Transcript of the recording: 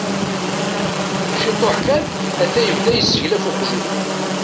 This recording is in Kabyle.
Ciṭuḥ kan, ata yebda yesseglaf uqjun.